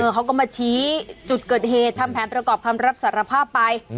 เขาก็มาชี้จุดเกิดเหตุทำแผนประกอบคำรับสารภาพไป